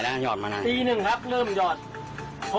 วันเราตัดสุมใหม่ทีละ๕๐๐